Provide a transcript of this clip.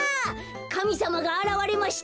かみさまがあらわれました。